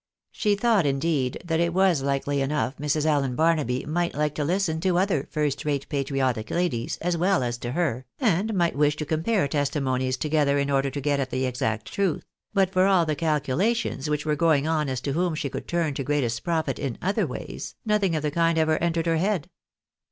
She thought, indeed, that it Avas likely enough Mrs. Allen Barnaby might like to listen to other first rate patriotic ladies, as well as to her, and might wish to compare testimonies together in order to get at the exact truth ; but for all the calculations which were going on as to whom she could turn to greatest profit in other ways, nothing of the kind ever entered her head.